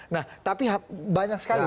nah tapi banyak sekali